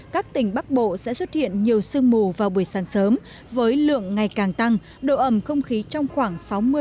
các tỉnh bắc bộ sẽ xuất hiện nhiều sương mù vào buổi sáng sớm với lượng ngày càng tăng độ ẩm không khí trong khoảng sáu mươi ba mươi